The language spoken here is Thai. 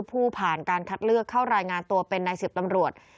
ผู้ผ่านการคัดเลือกเข้ารายงานตัวเป็นนายสิบตำรวจ